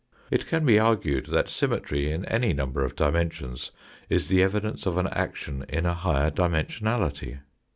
It can be argued that symmetry in any number of dimen sions is the evidence of an action in a higher dimensionality.